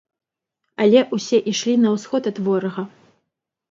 Але ўсе ішлі на ўсход ад ворага.